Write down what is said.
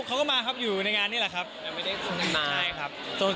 เขาก็มาครับอยู่ในงานนี่แหละครับ